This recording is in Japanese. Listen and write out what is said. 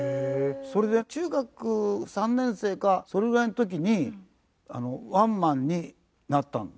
それで中学３年生かそれぐらいの時にワンマンになったの。